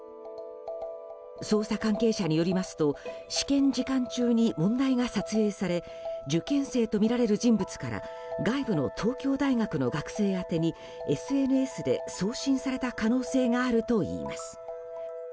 捜査関係者によりますと試験時間中に問題が撮影され受験生とみられる人物から外部の東京大学の学生宛てにＳＮＳで送信された可能性があるといいます。